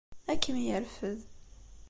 Ad kem-yerfed.